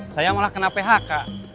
saya malah kena phk